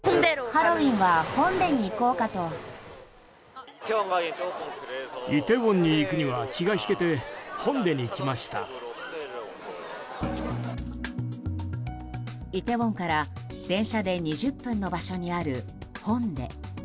ニトリイテウォンから電車で２０分の場所にある、ホンデ。